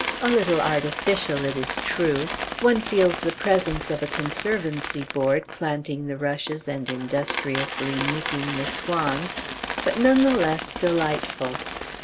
A little artificial it is true; one feels the presence of a Conservancy Board, planting the rushes and industriously nicking the swans; but none the less delightful.